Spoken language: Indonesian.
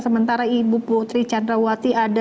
sementara ibu putri candrawati ada